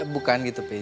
bukan gitu pi